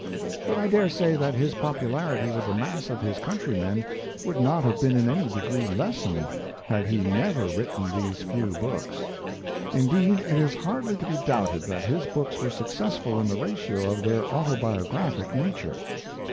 But I daresay that his popularity with the mass of his countrymen would not have been in any degree lessened had he never written these few books. Indeed, it is hardly to be doubted that his books were successful in the ratio of their autobiographic nature.